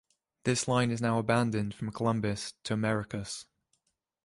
This line is now abandoned from Columbus to Americus.